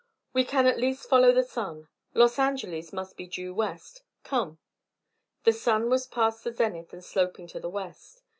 "We can at least follow the sun. Los Angeles must be due west. Come." The sun was past the zenith and sloping to the west.